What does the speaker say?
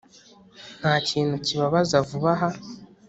ntakintu kibabaza vuba aha